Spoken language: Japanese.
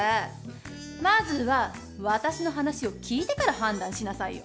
まずは私の話を聞いてから判断しなさいよ！